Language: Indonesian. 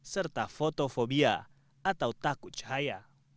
serta fotofobia atau takut cahaya